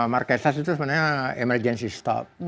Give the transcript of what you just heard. marquezer itu sebenarnya emergency stop